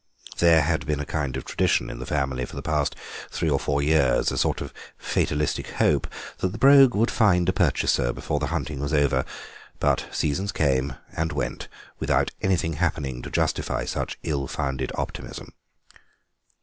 There had been a kind of tradition in the family for the past three or four years, a sort of fatalistic hope, that the Brogue would find a purchaser before the hunting was over; but seasons came and went without anything happening to justify such ill founded optimism.